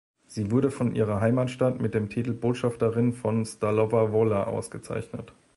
Sie wurde von ihrer Heimatstadt mit dem Titel „Botschafterin von Stalowa Wola“ ausgezeichnet.